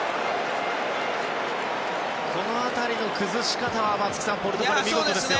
この辺りの崩し方は松木さんポルトガル、見事ですよね。